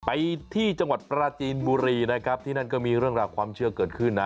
ไปที่จังหวัดปราจีนบุรีนะครับที่นั่นก็มีเรื่องราวความเชื่อเกิดขึ้นนะ